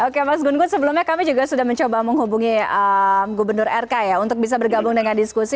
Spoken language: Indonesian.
oke mas gun gun sebelumnya kami juga sudah mencoba menghubungi gubernur rk ya untuk bisa bergabung dengan diskusi